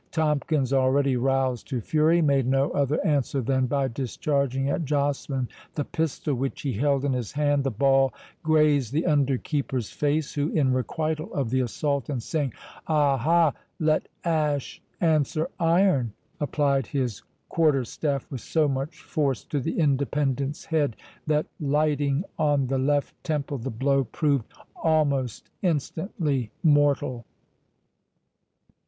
Tomkins, already roused to fury, made no other answer than by discharging at Joceline the pistol which he held in his hand. The ball grazed the under keeper's face, who, in requital of the assault, and saying "Aha! Let ash answer iron," applied his quarterstaff with so much force to the Independent's head, that lighting on the left temple, the blow proved almost instantly mortal.